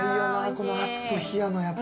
この熱と冷やのやつ。